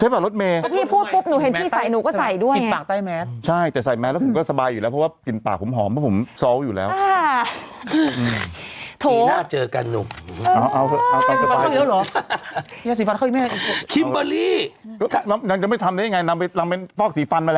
ปลอมต้องให้ปากกามาวงขุงวงก่อนเลยนะครับ